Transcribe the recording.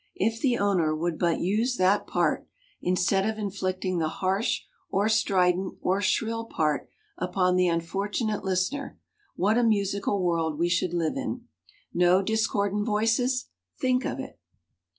If the owner would but use that part, instead of inflicting the harsh or strident or shrill part upon the unfortunate listener, what a musical world we should live in! No discordant voices! Think of it!